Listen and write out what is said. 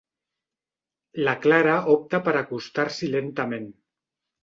La Clara opta per acostar-s'hi lentament.